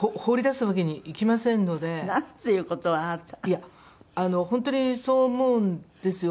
いや本当にそう思うんですよ。